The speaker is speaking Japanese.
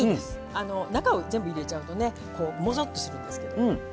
中を全部入れちゃうとねこうもぞっとするんですけど。